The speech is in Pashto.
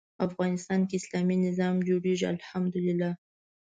افغانستان کې اسلامي نظام جوړېږي الحمد لله.